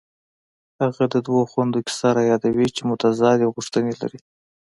هغه د دوو خویندو کیسه رایادوي چې متضادې غوښتنې لري